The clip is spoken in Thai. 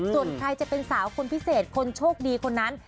ส่วนใครจะเป็นสาวคนพิเศษคนโชคดีคนนั้น